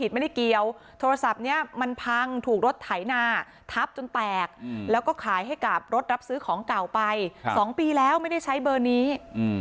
ไม่ได้เกี่ยวโทรศัพท์เนี้ยมันพังถูกรถไถนาทับจนแตกแล้วก็ขายให้กับรถรับซื้อของเก่าไปสองปีแล้วไม่ได้ใช้เบอร์นี้อืม